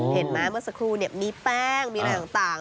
เห็นไหมเมื่อสักครู่เนี่ยมีแป้งมีอะไรต่าง